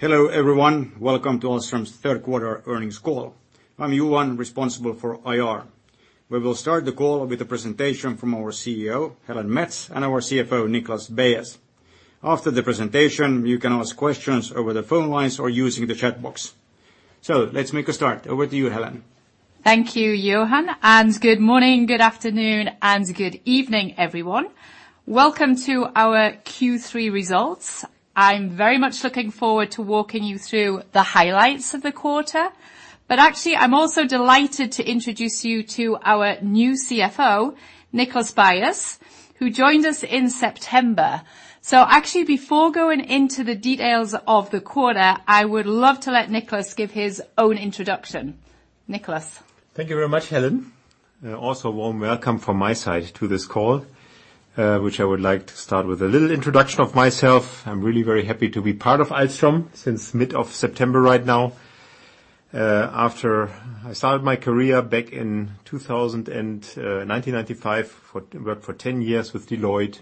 Hello, everyone. Welcome to Ahlstrom's Q3 earnings call. I'm Johan, responsible for IR. We will start the call with a presentation from our CEO, Helen Mets, and our CFO, Niklas Beyes. After the presentation, you can ask questions over the phone lines or using the chat box. So let's make a start. Over to you, Helen. Thank you, Johan, and good morning, good afternoon, and good evening, everyone. Welcome to our Q3 results. I'm very much looking forward to walking you through the highlights of the quarter, but actually, I'm also delighted to introduce you to our new CFO, Niklas Beyes, who joined us in September. So actually, before going into the details of the quarter, I would love to let Niklas give his own introduction. Niklas? Thank you very much, Helen. Also warm welcome from my side to this call, which I would like to start with a little introduction of myself. I'm really very happy to be part of Ahlstrom since mid-September right now, after I started my career back in 2000 and 1995, worked for 10 years with Deloitte.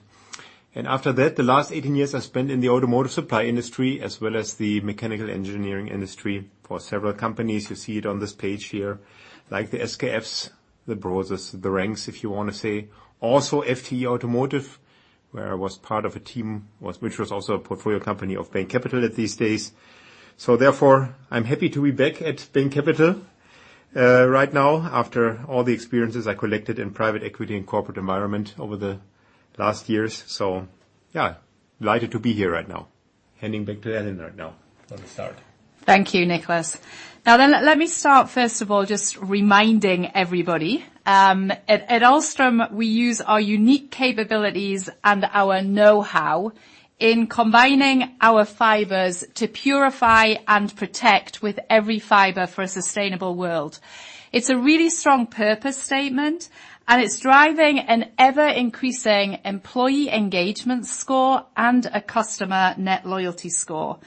And after that, the last 18 years I spent in the automotive supply industry as well as the mechanical engineering industry for several companies. You see it on this page here, like the SKFs, the Brose, the Renks, if you want to say. Also, FTE Automotive, where I was part of a team, which was also a portfolio company of Bain Capital in those days. So therefore, I'm happy to be back at Bain Capital right now, after all the experiences I collected in private equity and corporate environment over the last years. So, yeah, delighted to be here right now. Handing back to Helen right now for the start. Thank you, Niklas. Now, let me start, first of all, just reminding everybody, at Ahlstrom, we use our unique capabilities and our know-how in combining our fibers to purify and protect with every fiber for a sustainable world. It's a really strong purpose statement, and it's driving an ever-increasing employee engagement score and a customer net loyalty score.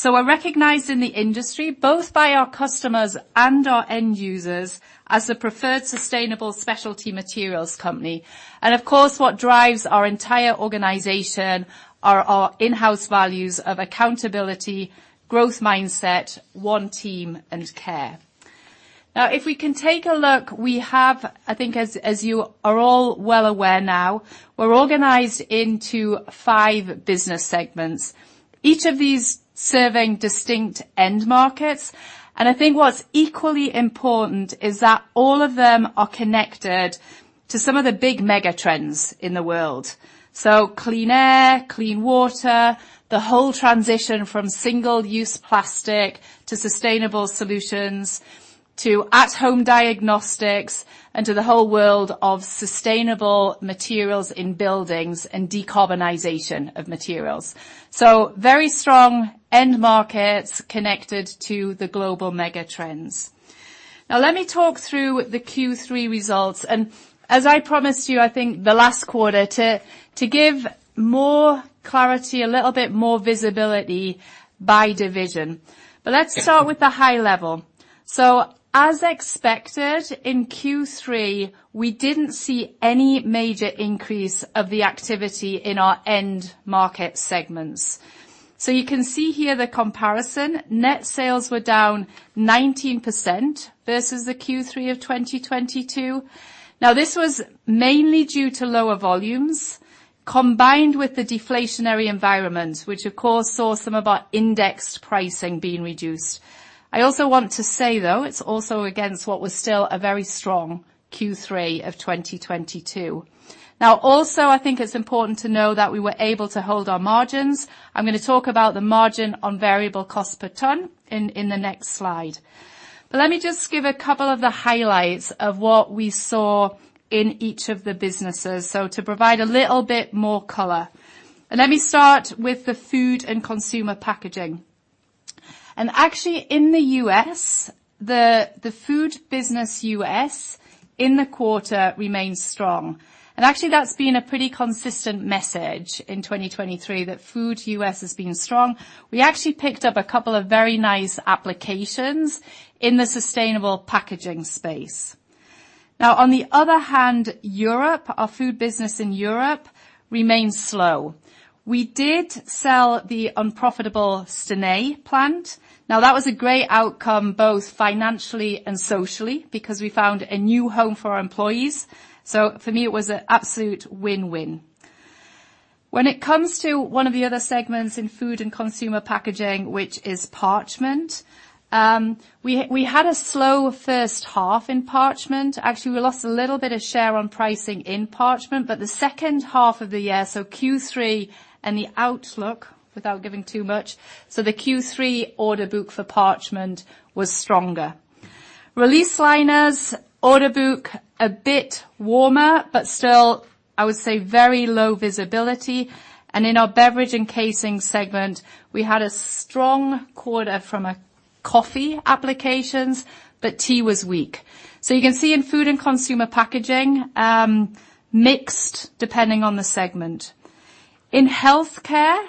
So we're recognized in the industry, both by our customers and our end users, as the preferred sustainable specialty materials company. And of course, what drives our entire organization are our in-house values of accountability, growth mindset, one team, and care. Now, if we can take a look, I think, as you are all well aware now, we're organized into five business segments, each of these serving distinct end markets. I think what's equally important is that all of them are connected to some of the big mega trends in the world. So clean air, clean water, the whole transition from single-use plastic to sustainable solutions, to at-home diagnostics, and to the whole world of sustainable materials in buildings and decarbonization of materials. So very strong end markets connected to the global mega trends. Now, let me talk through the Q3 results, and as I promised you, I think the last quarter, to, to give more clarity, a little bit more visibility by division. Let's start with the high level. So as expected, in Q3, we didn't see any major increase of the activity in our end market segments. So you can see here the comparison. Net sales were down 19% versus the Q3 of 2022. Now, this was mainly due to lower volumes, combined with the deflationary environment, which of course saw some of our indexed pricing being reduced. I also want to say, though, it's also against what was still a very strong Q3 of 2022. Now, also, I think it's important to know that we were able to hold our margins. I'm gonna talk about the margin on variable cost per ton in the next slide. But let me just give a couple of the highlights of what we saw in each of the businesses, so to provide a little bit more color. And let me start with the food and consumer packaging. And actually, in the U.S., the food business U.S. in the quarter remains strong. And actually, that's been a pretty consistent message in 2023, that food U.S. has been strong. We actually picked up a couple of very nice applications in the sustainable packaging space. Now, on the other hand, Europe, our food business in Europe, remains slow. We did sell the unprofitable Stenay plant. Now, that was a great outcome, both financially and socially, because we found a new home for our employees. So for me, it was an absolute win-win. When it comes to one of the other segments in food and consumer packaging, which is parchment, we, we had a slow first half in parchment. Actually, we lost a little bit of share on pricing in parchment, but the second half of the year, so Q3 and the outlook, without giving too much, so the Q3 order book for parchment was stronger. Release liners, order book, a bit warmer, but still, I would say very low visibility. And in our beverage and casing segment, we had a strong quarter from a coffee applications, but tea was weak. So you can see in food and consumer packaging, mixed, depending on the segment. In healthcare,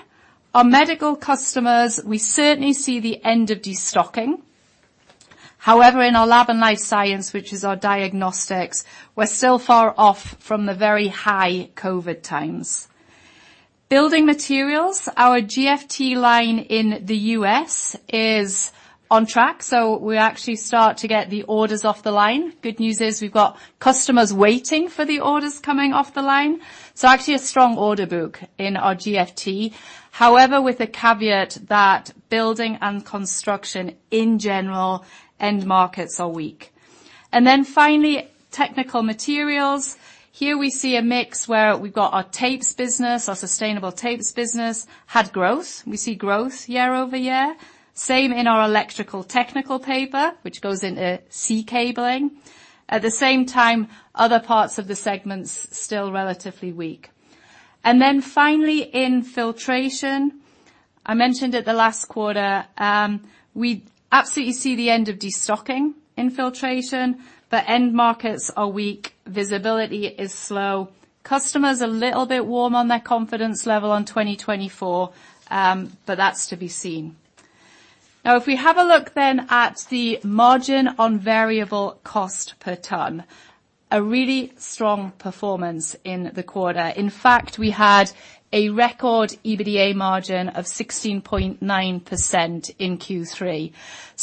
our medical customers, we certainly see the end of destocking. However, in our lab and life science, which is our diagnostics, we're still far off from the very high COVID times. Building materials, our GFT line in the U.S. is on track, so we actually start to get the orders off the line. Good news is we've got customers waiting for the orders coming off the line, so actually a strong order book in our GFT. However, with the caveat that building and construction in general, end markets are weak. And then finally, technical materials. Here we see a mix where we've got our tapes business, our sustainable tapes business, had growth. We see growth year-over-year. Same in our electrical technical paper, which goes into sea cabling. At the same time, other parts of the segment's still relatively weak. Then finally, in filtration, I mentioned at the last quarter, we absolutely see the end of destocking in filtration, but end markets are weak, visibility is low. Customers a little bit wary on their confidence level on 2024, but that's to be seen. Now, if we have a look then at the margin on variable cost per ton, a really strong performance in the quarter. In fact, we had a record EBITDA margin of 16.9% in Q3.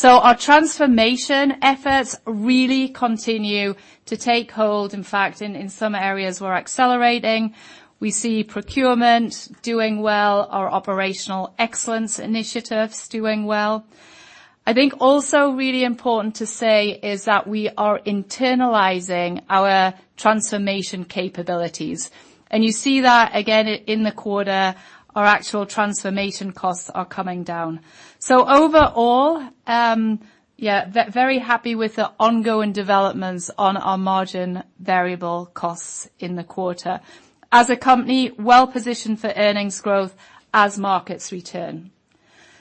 Our transformation efforts really continue to take hold. In fact, in some areas, we're accelerating. We see procurement doing well, our operational excellence initiatives doing well. I think also really important to say is that we are internalizing our transformation capabilities, and you see that again in the quarter, our actual transformation costs are coming down. So overall, yeah, very happy with the ongoing developments on our margin variable costs in the quarter. As a company, well positioned for earnings growth as markets return.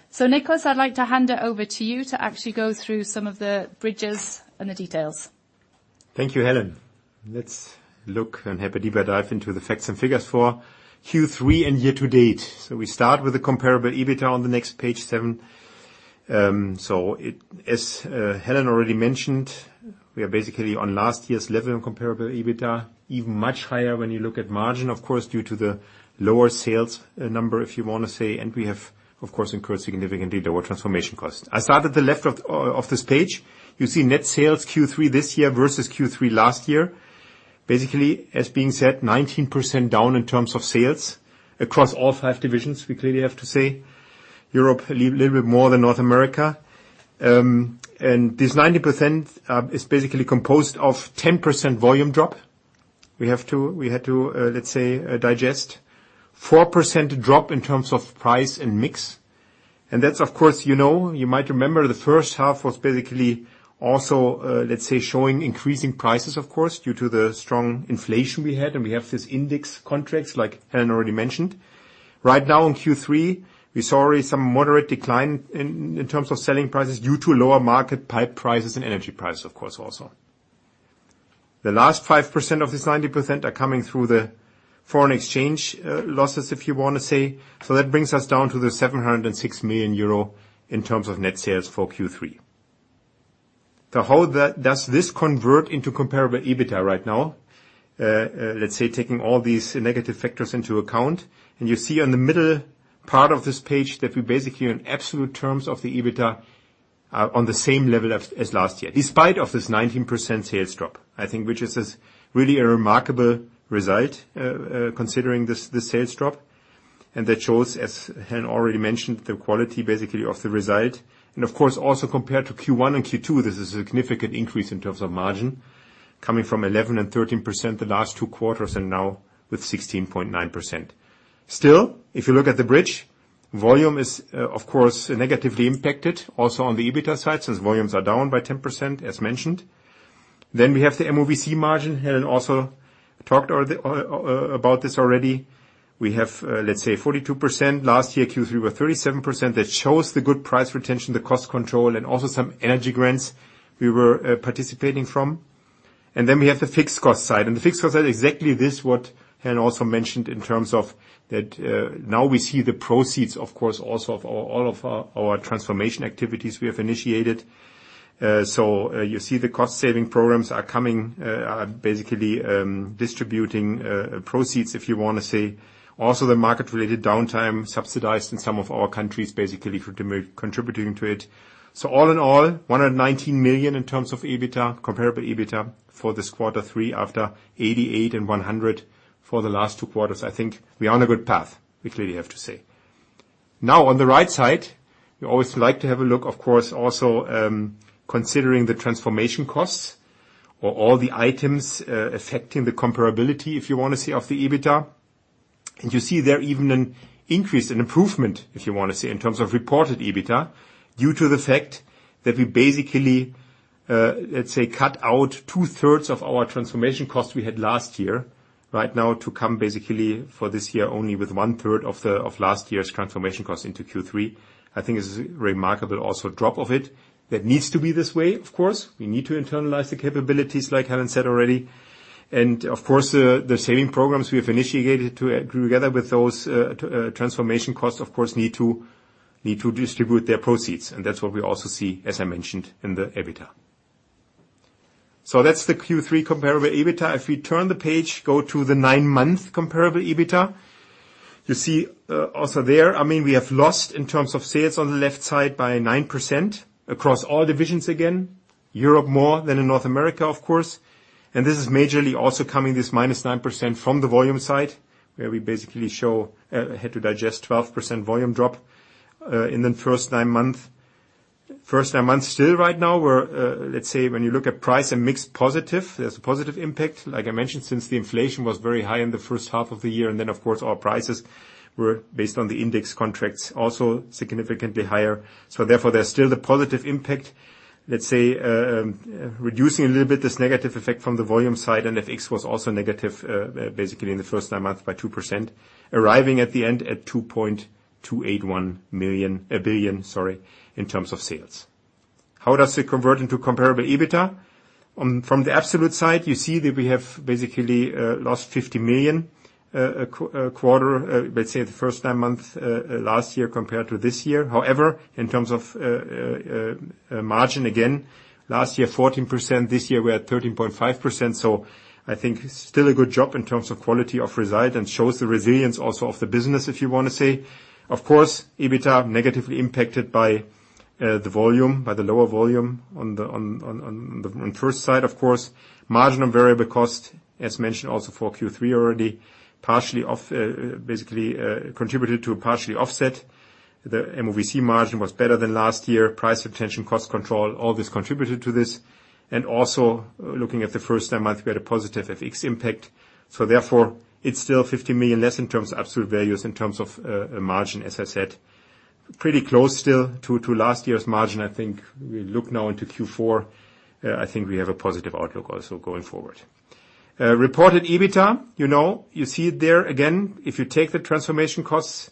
So Niklas, I'd like to hand it over to you to actually go through some of the bridges and the details. Thank you, Helen. Let's look and have a deeper dive into the facts and figures for Q3 and year to date. We start with the Comparable EBITDA on the next page seven. As Helen already mentioned, we are basically on last year's level in Comparable EBITDA, even much higher when you look at margin, of course, due to the lower sales number, if you want to say, and we have, of course, increased significantly the transformation costs. I start at the left of this page. You see net sales Q3 this year versus Q3 last year. Basically, as being said, 19% down in terms of sales across all five divisions, we clearly have to say. Europe, a little bit more than North America. And this 90% is basically composed of 10% volume drop. We had to, let's say, digest 4% drop in terms of price and mix. And that's, of course, you know, you might remember the first half was basically also, let's say, showing increasing prices, of course, due to the strong inflation we had, and we have this index contracts, like Helen already mentioned. Right now in Q3, we saw already some moderate decline in terms of selling prices due to lower market pulp prices and energy prices, of course, also. The last 5% of this 90% are coming through the foreign exchange losses, if you want to say. So that brings us down to 706 million euro in terms of net sales for Q3. So how that does this convert into comparable EBITDA right now, let's say, taking all these negative factors into account? And you see on the middle part of this page that we basically, in absolute terms of the EBITDA, are on the same level as last year, despite of this 19% sales drop, I think, which is really a remarkable result, considering this sales drop. And that shows, as Helen already mentioned, the quality basically of the result. And of course, also compared to Q1 and Q2, this is a significant increase in terms of margin, coming from 11% and 13% the last two quarters and now with 16.9%. Still, if you look at the bridge, volume is, of course, negatively impacted also on the EBITDA side, since volumes are down by 10%, as mentioned. Then we have the MOVC margin. Helen also talked about this already. We have, let's say, 42%. Last year, Q3 were 37%. That shows the good price retention, the cost control, and also some energy grants we were participating from. And then we have the fixed cost side, and the fixed cost side, exactly this, what Helen also mentioned in terms of that, now we see the proceeds, of course, also of all of our, our transformation activities we have initiated. So you see the cost saving programs are coming, basically, distributing proceeds, if you want to say. Also, the market-related downtime subsidized in some of our countries, basically, contributing to it. So all in all, 119 million in terms of EBITDA, comparable EBITDA, for this quarter three, after 88 million and 100 million for the last two quarters. I think we are on a good path, we clearly have to say. Now, on the right side, we always like to have a look, of course, also, considering the transformation costs or all the items, affecting the comparability, if you want to see, of the EBITDA. You see there even an increase in improvement, if you want to say, in terms of reported EBITDA, due to the fact that we basically, let's say, cut out two-thirds of our transformation costs we had last year. Right now, to come basically for this year, only with one-third of last year's transformation costs into Q3. I think this is remarkable also drop of it. That needs to be this way, of course. We need to internalize the capabilities, like Helen said already. Of course, the saving programs we have initiated, together with those, transformation costs, of course, need to distribute their proceeds. That's what we also see, as I mentioned, in the EBITDA. So that's the Q3 comparable EBITDA. If we turn the page, go to the nine-month comparable EBITDA, you see, also there, I mean, we have lost in terms of sales on the left side by 9% across all divisions again, Europe more than in North America, of course, and this is majorly also coming, this minus 9%, from the volume side, where we basically show, had to digest 12% volume drop, in the first nine-month. First nine months, still right now, we're, let's say, when you look at price and mixed positive, there's a positive impact. Like I mentioned, since the inflation was very high in the first half of the year, and then, of course, our prices were based on the index contracts, also significantly higher. Therefore, there's still the positive impact, let's say, reducing a little bit this negative effect from the volume side, and FX was also negative, basically in the first nine months by 2%, arriving at the end at 2.281 billion in terms of sales. How does it convert into comparable EBITDA? From the absolute side, you see that we have basically lost 50 million, a quarter, let's say the first nine months last year compared to this year. However, in terms of margin, again, last year 14%, this year we are at 13.5%, so I think still a good job in terms of quality of result and shows the resilience also of the business, if you want to say. Of course, EBITDA negatively impacted by the volume, by the lower volume on the first side, of course. Margin and variable cost, as mentioned, also for Q3 already, partially off- basically, contributed to a partially offset. The MOVC margin was better than last year. Price retention, cost control, all this contributed to this. And also, looking at the first nine months, we had a positive FX impact, so therefore, it's still 50 million less in terms of absolute values, in terms of margin, as I said. Pretty close still to last year's margin. I think we look now into Q4, I think we have a positive outlook also going forward. Reported EBITDA, you know, you see it there again, if you take the transformation costs,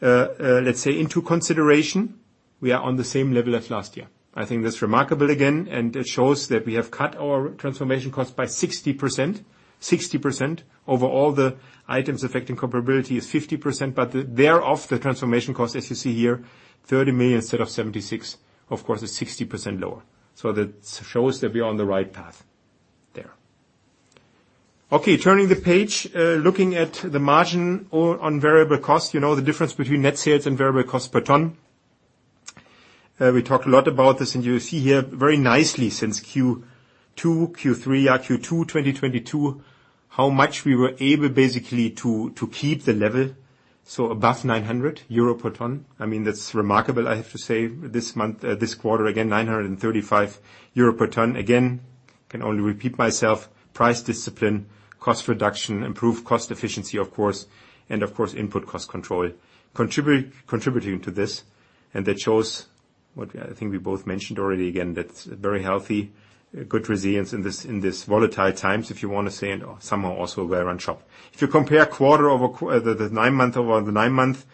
let's say into consideration, we are on the same level as last year. I think that's remarkable again, and it shows that we have cut our transformation costs by 60%. 60% over all the items affecting comparability is 50%, but they're off the transformation costs, as you see here, 30 million instead of 76 million, of course, is 60% lower. So that shows that we are on the right path there. Okay, turning the page, looking at the margin on variable costs, you know the difference between net sales and variable costs per ton. We talked a lot about this, and you see here very nicely since Q2, Q3, Q2 2022, how much we were able basically to keep the level, so above 900 euro per ton. I mean, that's remarkable, I have to say. This month, this quarter, again, 935 euro per ton. Again, I can only repeat myself, price discipline, cost reduction, improved cost efficiency, of course, and of course, input cost control, contributing to this. And that shows what I think we both mentioned already, again, that's very healthy, good resilience in this, in this volatile times, if you want to say, and somehow also wear on shop. If you compare the nine-month over the nine-month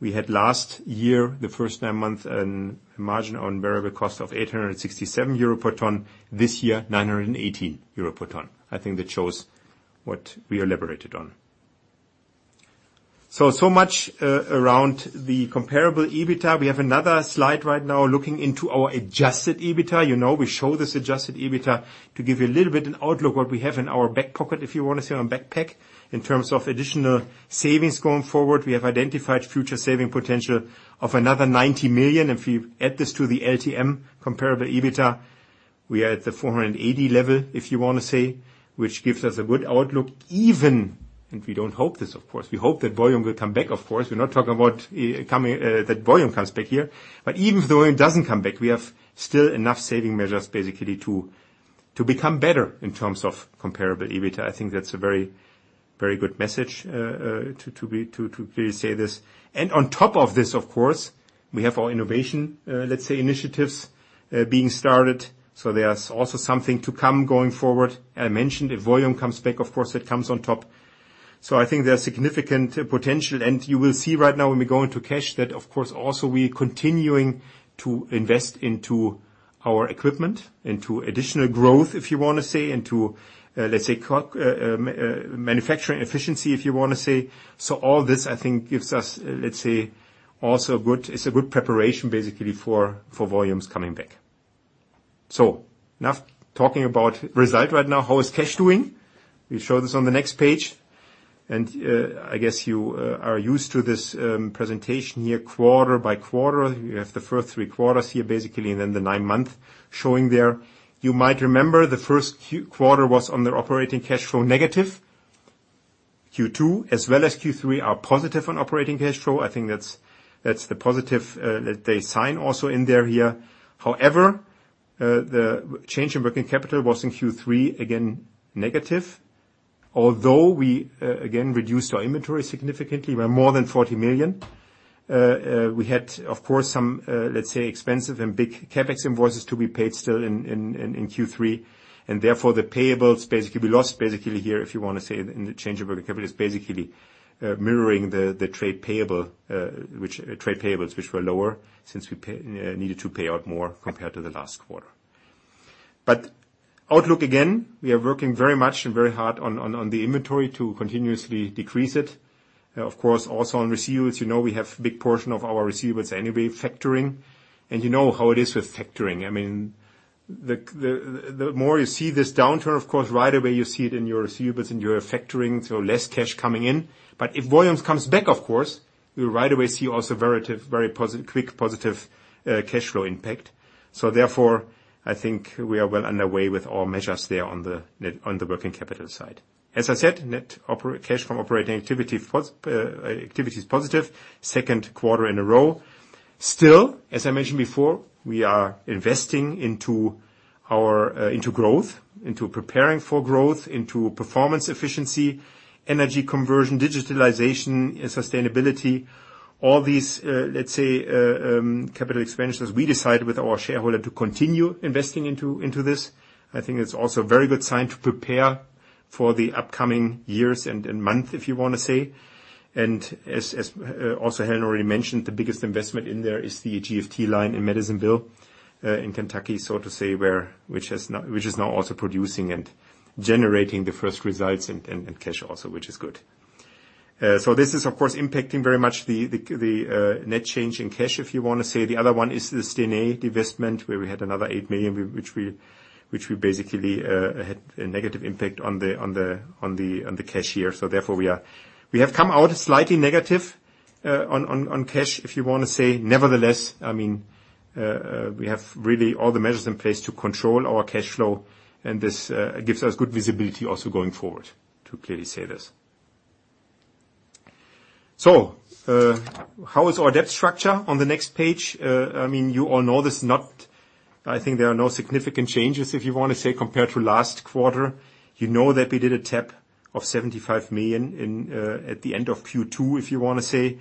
we had last year, the first nine-month, a margin on variable cost of 867 euro per ton. This year, 918 euro per ton. I think that shows what we elaborated on. So much around the comparable EBITDA. We have another slide right now looking into our adjusted EBITDA. You know, we show this adjusted EBITDA to give you a little bit an outlook, what we have in our back pocket, if you want to say, on backpack, in terms of additional savings going forward. We have identified future saving potential of another 90 million, and if we add this to the LTM comparable EBITDA, we are at the 480 level, if you want to say, which gives us a good outlook even. We don't hope this, of course. We hope that volume will come back, of course. We're not talking about coming that volume comes back here, but even if the volume doesn't come back, we have still enough saving measures basically to become better in terms of Comparable EBITDA. I think that's a very, very good message to clearly say this. On top of this, of course, we have our innovation, let's say, initiatives being started, so there's also something to come going forward. I mentioned if volume comes back, of course, it comes on top. So I think there are significant potential, and you will see right now when we go into cash, that of course, also we continuing to invest into our equipment, into additional growth, if you want to say, into, let's say, manufacturing efficiency, if you want to say. So all this, I think, gives us, let's say, also a good it's a good preparation, basically, for, for volumes coming back. So enough talking about result right now. How is cash doing? We show this on the next page, and, I guess you, are used to this, presentation here quarter by quarter. You have the first three quarters here, basically, and then the nine-month showing there. You might remember the Q1 was on the operating cash flow negative. Q2, as well as Q3, are positive on operating cash flow. I think that's the positive, that they sign also in there here. However, the change in working capital was in Q3, again, negative. Although we again reduced our inventory significantly by more than 40 million, we had, of course, some, let's say, expensive and big CapEx invoices to be paid still in Q3, and therefore, the payables, basically, we lost basically here, if you want to say, in the change of working capital is basically mirroring the trade payables, which were lower since we needed to pay out more compared to the last quarter. But outlook, again, we are working very much and very hard on the inventory to continuously decrease it. Of course, also on receivables, you know, we have big portion of our receivables anyway, factoring. You know how it is with factoring. I mean, the more you see this downturn, of course, right away you see it in your receivables and your factoring, so less cash coming in. But if volumes comes back, of course, you right away see also very quick, positive cash flow impact. So therefore, I think we are well underway with all measures there on the working capital side. As I said, net operating cash from operating activities is positive Q2 in a row. Still, as I mentioned before, we are investing into our into growth, into preparing for growth, into performance efficiency, energy conversion, digitalization, and sustainability. All these, let's say, capital expenditures, we decide with our shareholder to continue investing into, into this. I think it's also a very good sign to prepare for the upcoming years and month, if you want to say. And as also Helen already mentioned, the biggest investment in there is the GFT line in Madisonville in Kentucky, so to say, where which has now, which is now also producing and generating the first results and cash also, which is good. So this is, of course, impacting very much the net change in cash, if you want to say. The other one is the Stenay divestment, where we had another 8 million, which we basically had a negative impact on the cash here. So therefore, we have come out slightly negative on cash, if you want to say. Nevertheless, I mean, we have really all the measures in place to control our cash flow, and this gives us good visibility also going forward, to clearly say this. So, how is our debt structure? On the next page, I mean, you all know this. I think there are no significant changes, if you want to say, compared to last quarter. You know that we did a tap of 75 million in at the end of Q2, if you want to say.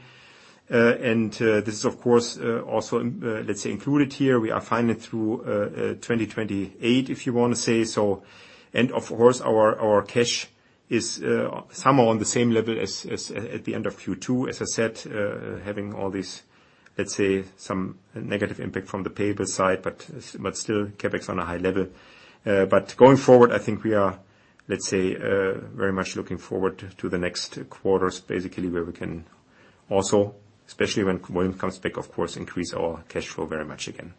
And this is, of course, also, let's say, included here. We are finally through 2028, if you want to say so. And of course, our cash is somehow on the same level as at the end of Q2. As I said, having all these, let's say, some negative impact from the paper side, but, but still CapEx on a high level. But going forward, I think we are, let's say, very much looking forward to the next quarters, basically, where we can also, especially when volume comes back, of course, increase our cash flow very much again.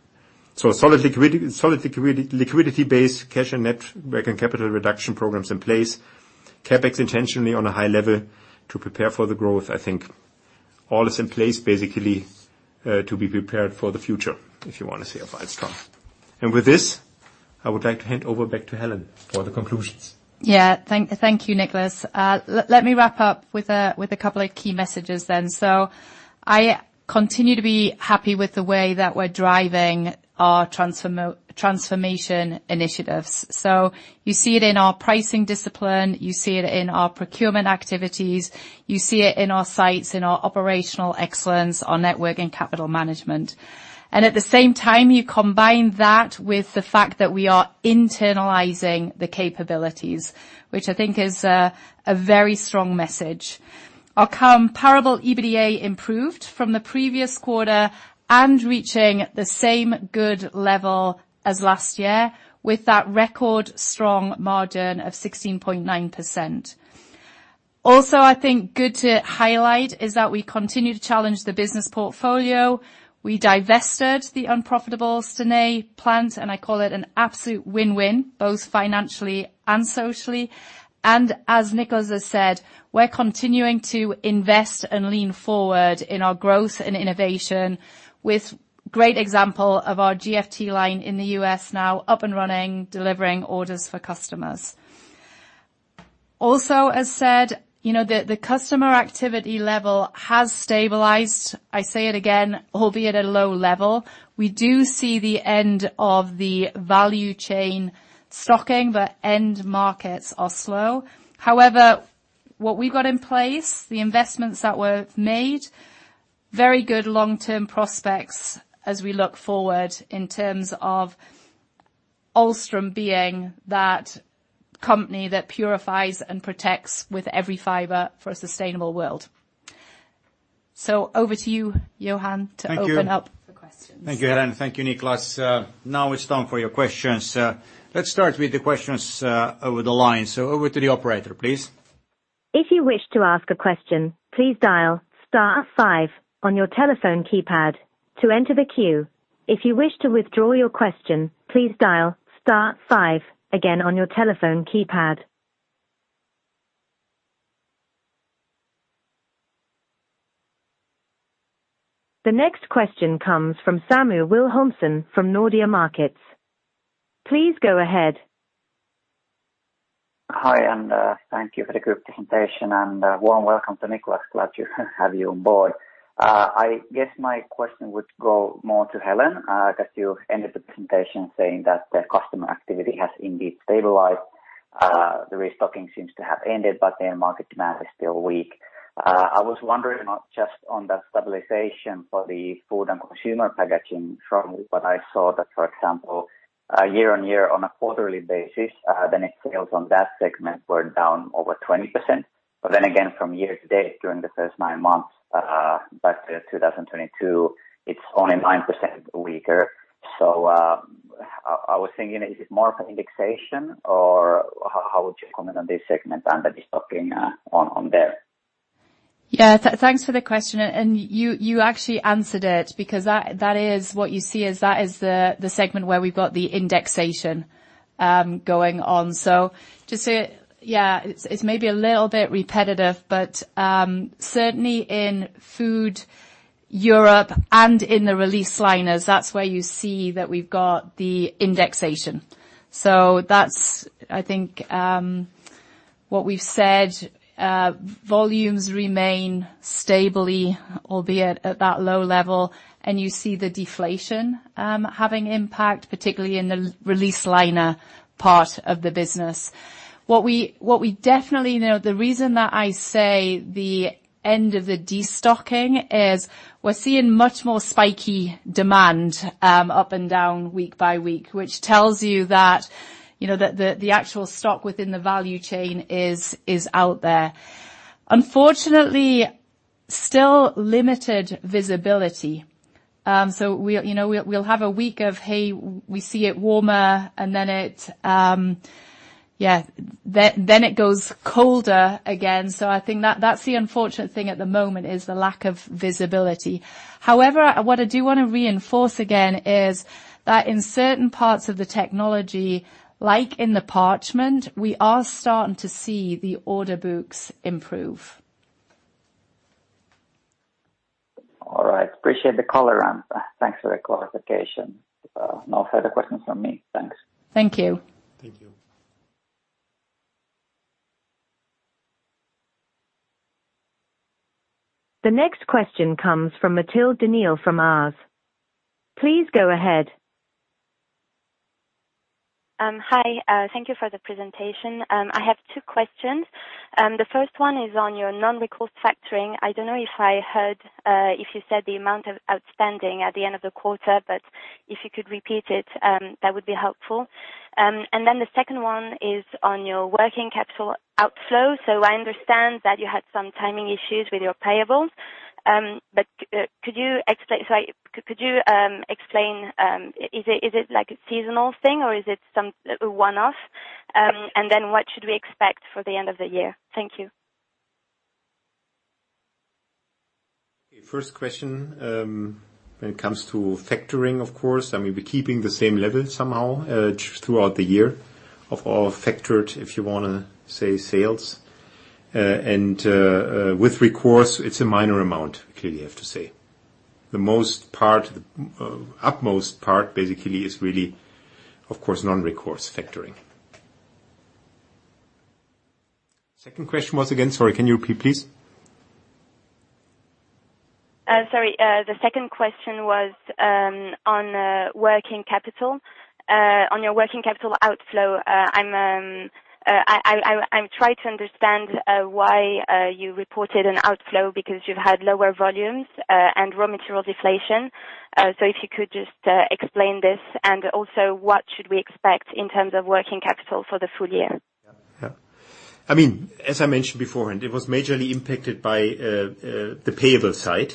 So solid liquidity, solid liquidity, liquidity base, cash and net working capital reduction programs in place. CapEx intentionally on a high level to prepare for the growth. I think all is in place, basically, to be prepared for the future, if you want to say, of Ahlstrom. And with this, I would like to hand over back to Helen for the conclusions. Yeah. Thank you, Niklas. Let me wrap up with a couple of key messages then. So I continue to be happy with the way that we're driving our transformation initiatives. So you see it in our pricing discipline, you see it in our procurement activities, you see it in our sites, in our operational excellence, our net working capital management. And at the same time, you combine that with the fact that we are internalizing the capabilities, which I think is a very strong message. Our comparable EBITDA improved from the previous quarter and reaching the same good level as last year, with that record strong margin of 16.9%. Also, I think good to highlight is that we continue to challenge the business portfolio. We divested the unprofitable Stenay plant, and I call it an absolute win-win, both financially and socially. And as Niklas has said, we're continuing to invest and lean forward in our growth and innovation with great example of our GFT line in the U.S. now, up and running, delivering orders for customers. Also, as said, you know, the customer activity level has stabilized. I say it again, albeit at a low level. We do see the end of the value chain destocking, but end markets are slow. However, what we've got in place, the investments that were made, very good long-term prospects as we look forward in terms of Ahlstrom being that company that purifies and protects with every fiber for a sustainable world. So over to you, Johan. Thank you. To open up for questions. Thank you, Helen. Thank you, Niklas. Now it's time for your questions. Let's start with the questions, over the line. Over to the operator, please. If you wish to ask a question, please dial star five on your telephone keypad to enter the queue. If you wish to withdraw your question, please dial star five again on your telephone keypad. The next question comes from Samu Wilhelmsson, from Nordea Markets. Please go ahead. Hi, and thank you for the group presentation, and warm welcome to Niklas. Glad to have you on board. I guess my question would go more to Helen, because you ended the presentation saying that the customer activity has indeed stabilized. The restocking seems to have ended, but the end market demand is still weak. I was wondering not just on the stabilization for the food and consumer packaging front, but I saw that, for example, year-on-year, on a quarterly basis, the net sales on that segment were down over 20%. But then again, from year-to-date, during the first nine months, back to 2022, it's only 9% weaker. So, I was thinking, is it more of an indexation, or how would you comment on this segment and the destocking on there? Yeah, thanks for the question, and you actually answered it because that is what you see as that is the segment where we've got the indexation going on. So just to, yeah, it's maybe a little bit repetitive, but certainly in food, Europe, and in the release liners, that's where you see that we've got the indexation. So that's, I think, what we've said. Volumes remain stably, albeit at that low level, and you see the deflation having impact, particularly in the release liner part of the business. What we definitely know, the reason that I say the end of the destocking is we're seeing much more spiky demand up and down week by week, which tells you that, you know, that the actual stock within the value chain is out there. Unfortunately, still limited visibility. So we, you know, we'll have a week of, hey, we see it warmer, and then it goes colder again. So I think that, that's the unfortunate thing at the moment, is the lack of visibility. However, what I do wanna reinforce again is that in certain parts of the technology, like in the parchment, we are starting to see the order books improve. All right. Appreciate the color, and thanks for the clarification. No further questions from me. Thanks. Thank you. Thank you. The next question comes from Mathilde Desaunay from Oddo BHF. Please go ahead. Hi. Thank you for the presentation. I have two questions. The first one is on your non-recourse factoring. I don't know if I heard if you said the amount of outstanding at the end of the quarter, but if you could repeat it, that would be helpful. And then the second one is on your working capital outflow. So I understand that you had some timing issues with your payables, but could you explain, sorry, could you explain, is it like a seasonal thing, or is it some a one-off? And then what should we expect for the end of the year? Thank you. First question, when it comes to factoring, of course, I mean, we're keeping the same level somehow throughout the year of all factored, if you wanna say, sales. With recourse, it's a minor amount, clearly, I have to say. The most part, utmost part, basically, is really, of course, non-recourse factoring. Second question was, again, sorry, can you repeat, please? Sorry, the second question was on working capital. On your working capital outflow, I'm trying to understand why you reported an outflow because you've had lower volumes and raw material deflation. So if you could just explain this, and also, what should we expect in terms of working capital for the full year? Yeah. I mean, as I mentioned beforehand, it was majorly impacted by the payable side,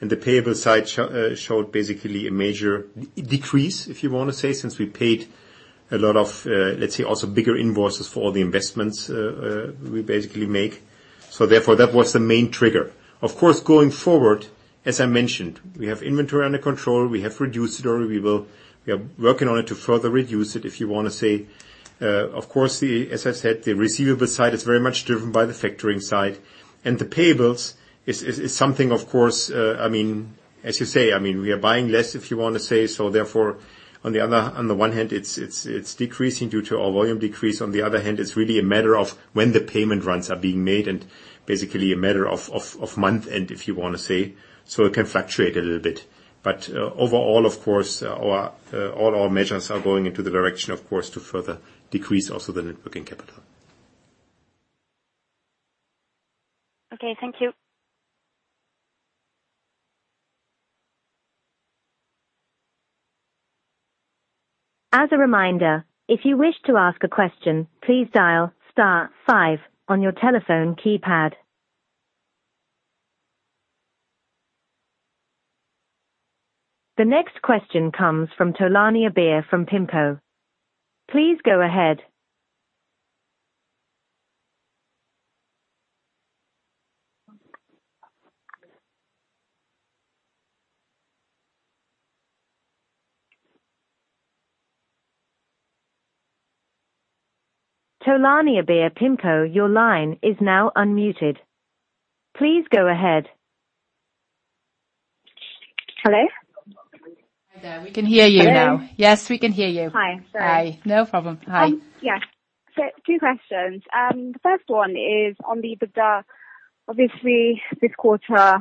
and the payable side showed basically a major decrease, if you want to say, since we paid a lot of, let's say, also bigger invoices for all the investments we basically make. So therefore, that was the main trigger. Of course, going forward, as I mentioned, we have inventory under control. We have reduced it, or we will. We are working on it to further reduce it, if you want to say. Of course, the, as I said, the receivable side is very much driven by the factoring side. And the payables is something, of course, I mean, as you say, I mean, we are buying less, if you want to say so. Therefore, on the other, on the one hand, it's decreasing due to our volume decrease. On the other hand, it's really a matter of when the payment runs are being made, and basically a matter of month end, if you want to say, so it can fluctuate a little bit. But overall, of course, all our measures are going into the direction, of course, to further decrease also the Net Working Capital. Okay, thank you. As a reminder, if you wish to ask a question, please dial star five on your telephone keypad. The next question comes from Tolani Abere from PIMCO. Please go ahead. Tolani Abere, PIMCO, your line is now unmuted. Please go ahead. Hello? Hi, there. We can hear you now. Hello? Yes, we can hear you. Hi. Sorry. Hi. No problem. Hi. Yes. So two questions. The first one is on the EBITDA. Obviously, this quarter,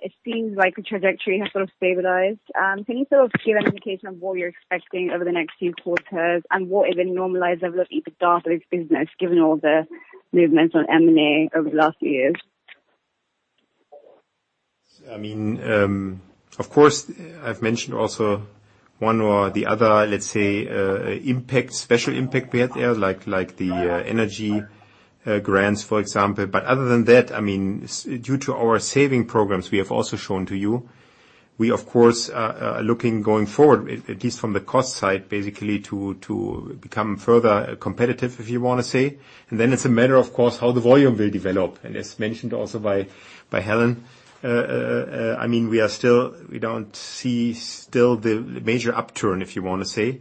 it seems like the trajectory has sort of stabilized. Can you sort of give an indication of what you're expecting over the next few quarters and what is the normalized level of EBITDA for this business, given all the movements on M&A over the last years? I mean, of course, I've mentioned also one or the other, let's say, impact, special impact we had there, like the energy grants, for example. But other than that, I mean, due to our saving programs, we have also shown to you, we, of course, are looking going forward, at least from the cost side, basically, to become further competitive, if you want to say. And then it's a matter, of course, how the volume will develop. And as mentioned also by Helen, I mean, we are still, we don't see still the major upturn, if you want to say.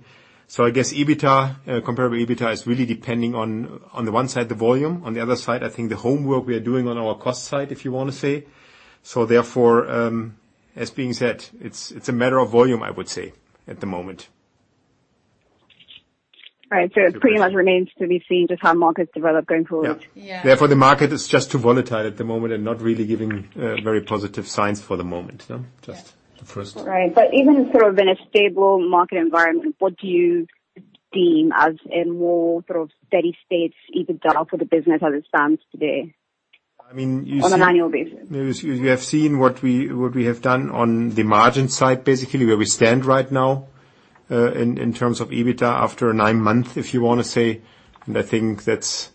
So I guess EBITDA, Comparable EBITDA, is really depending on the one side, the volume, on the other side, I think the homework we are doing on our cost side, if you want to say. Therefore, as being said, it's, it's a matter of volume, I would say, at the moment. All right. It pretty much remains to be seen just how markets develop going forward? Yeah. Yeah. Therefore, the market is just too volatile at the moment and not really giving very positive signs for the moment, no? Just the first- Right. But even sort of in a stable market environment, what do you deem as a more sort of steady state EBITDA for the business as it stands today? I mean, you see- On an annual basis. You have seen what we have done on the margin side, basically, where we stand right now, in terms of EBITDA after nine months, if you want to say. I think that's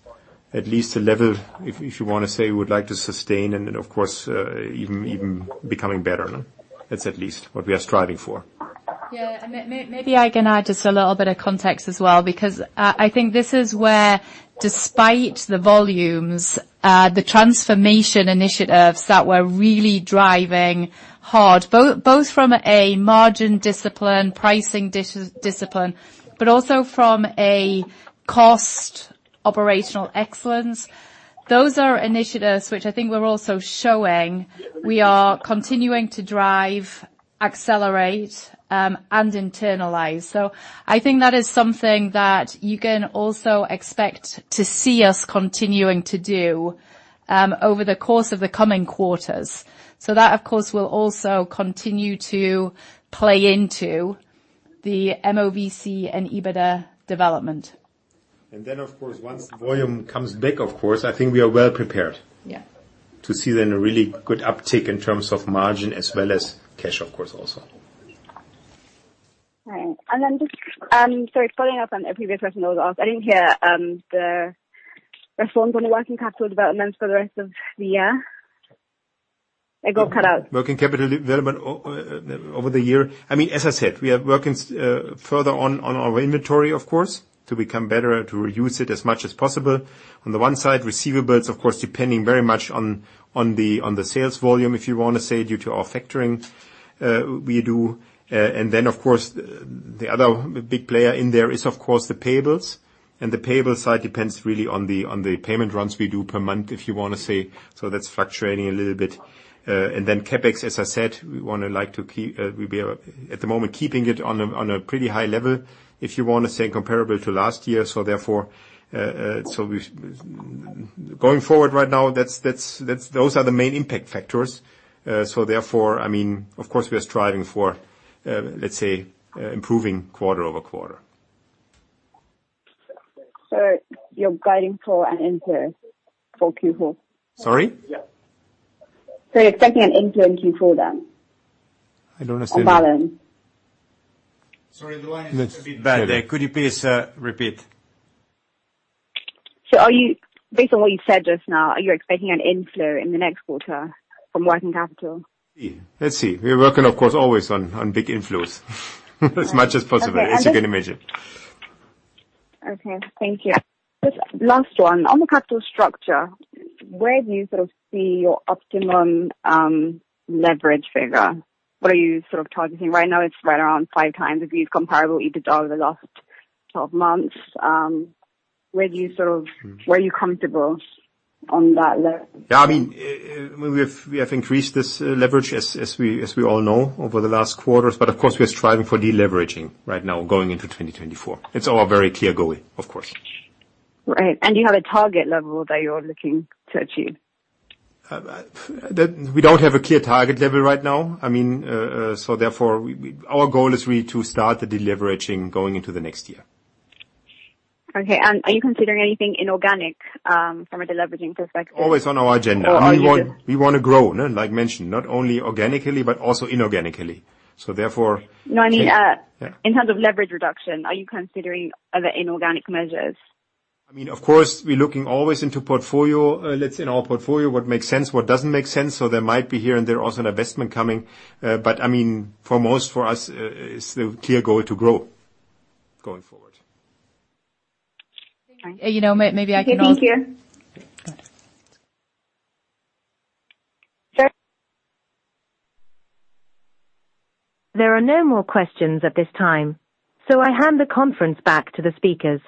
at least a level, if you want to say, we would like to sustain, and then, of course, even becoming better. That's at least what we are striving for. Yeah, and maybe I can add just a little bit of context as well, because I think this is where, despite the volumes, the transformation initiatives that we're really driving hard, both from a margin discipline, pricing discipline, but also from a cost operational excellence. Those are initiatives which I think we're also showing we are continuing to drive, accelerate, and internalize. So I think that is something that you can also expect to see us continuing to do, over the course of the coming quarters. So that, of course, will also continue to play into the MOVC and EBITDA development. And then, of course, once the volume comes back, of course, I think we are well prepared- Yeah to see, then, a really good uptick in terms of margin as well as cash, of course, also. All right. And then just, sorry, following up on a previous question that was asked, I didn't hear the forecast on the working capital developments for the rest of the year. It got cut out. Working capital development over the year. I mean, as I said, we are working further on our inventory, of course, to become better, to reuse it as much as possible. On the one side, receivables, of course, depending very much on the sales volume, if you want to say, due to our factoring we do. And then, of course, the other big player in there is, of course, the payables. And the payable side depends really on the payment runs we do per month, if you want to say, so that's fluctuating a little bit. And then CapEx, as I said, we wanna like to keep we be, at the moment, keeping it on a pretty high level, if you want to say, comparable to last year. So therefore, going forward right now, that's those are the main impact factors. So therefore, I mean, of course, we are striving for, let's say, improving quarter-over-quarter. You're guiding for an inflow for Q4? Sorry? I don't understand. On balance. Sorry, the line is a bit bad there. Could you please, repeat? Are you, based on what you said just now, are you expecting an inflow in the next quarter from working capital? Let's see. We're working, of course, always on big inflows. As much as possible, as you can imagine. Okay. Thank you. Just last one. On the capital structure, where do you sort of see your optimum leverage figure? What are you sort of targeting? Right now, it's right around 5x, if you use Comparable EBITDA over the last 12 months. Where do you sort of- Where are you comfortable on that. Yeah, I mean, we have increased this leverage, as we all know, over the last quarters. But of course, we are striving for deleveraging right now, going into 2024. It's our very clear goal, of course. Right. And you have a target level that you're looking to achieve? That we don't have a clear target level right now. I mean, so therefore, our goal is really to start the deleveraging going into the next year. Okay, and are you considering anything inorganic, from a deleveraging perspective? Always on our agenda. Oh, are you- We wanna grow, like I mentioned, not only organically, but also inorganically. So therefore- No, I mean- Yeah. In terms of leverage reduction, are you considering other inorganic measures? I mean, of course, we're looking always into portfolio, let's say in our portfolio, what makes sense, what doesn't make sense. So there might be here and there also an investment coming. But I mean, for most, for us, it's the clear goal to grow going forward. Okay. You know, maybe I can also- Okay, thank you. Okay. There are no more questions at this time, so I hand the conference back to the speakers.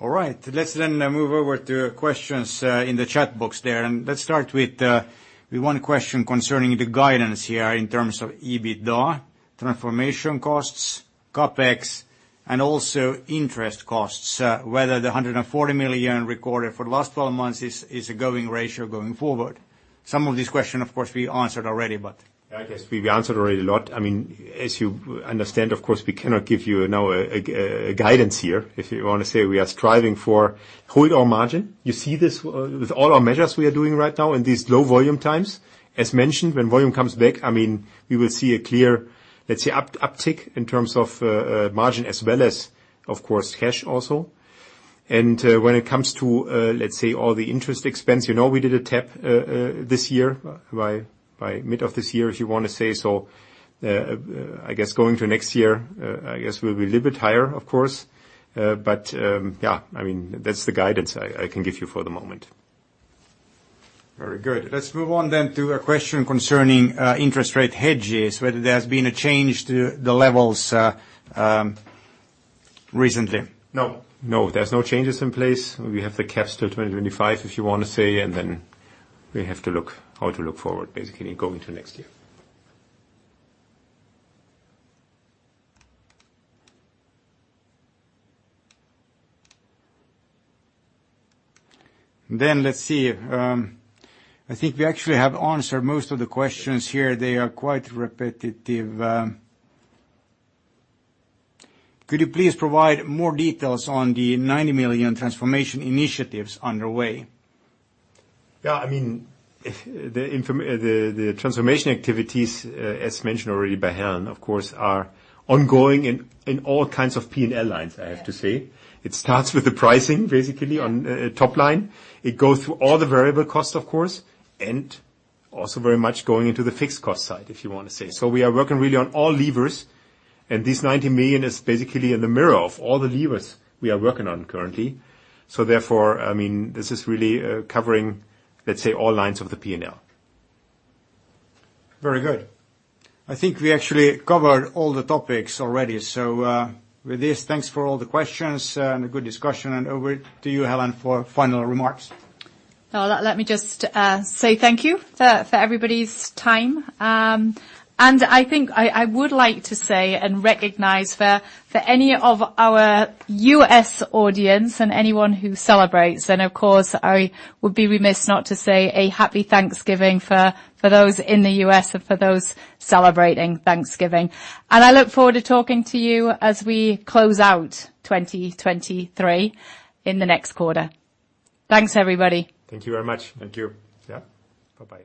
All right. Let's then move over to questions in the chat box there. And let's start with, with one question concerning the guidance here in terms of EBITDA, transformation costs, CapEx, and also interest costs, whether the 140 million recorded for the last twelve months is, is a going ratio going forward. Some of these questions, of course, we answered already. I guess we've answered already a lot. I mean, as you understand, of course, we cannot give you now a guidance here. If you want to say, we are striving for whole our margin. You see this with all our measures we are doing right now in these low volume times. As mentioned, when volume comes back, I mean, we will see a clear, let's say, uptick in terms of margin as well as, of course, cash also. And, when it comes to, let's say, all the interest expense, you know, we did a tap this year, by mid of this year, if you wanna say. So, I guess going to next year, I guess we'll be a little bit higher, of course. But, yeah, I mean, that's the guidance I can give you for the moment. Very good. Let's move on then to a question concerning interest rate hedges, whether there's been a change to the levels recently? No. No, there's no changes in place. We have the caps till 2025, if you wanna say, and then we have to look how to look forward, basically, going to next year. Let's see. I think we actually have answered most of the questions here. They are quite repetitive. Could you please provide more details on the 90 million transformation initiatives underway? Yeah, I mean, the transformation activities, as mentioned already by Helen, of course, are ongoing in all kinds of P&L lines- I have to say. It starts with the pricing, basically, on top line. It goes through all the variable costs, of course, and also very much going into the fixed cost side, if you want to say. So we are working really on all levers, and this 90 million is basically in the mirror of all the levers we are working on currently. So therefore, I mean, this is really covering, let's say, all lines of the P&L. Very good. I think we actually covered all the topics already. With this, thanks for all the questions, and a good discussion. Over to you, Helen, for final remarks. Well, let me just say thank you for everybody's time. And I think I would like to say and recognize for any of our U.S. audience and anyone who celebrates, then, of course, I would be remiss not to say a Happy Thanksgiving for those in the U.S. and for those celebrating Thanksgiving. And I look forward to talking to you as we close out 2023 in the next quarter. Thanks, everybody. Thank you very much. Thank you. Yeah. Bye-bye.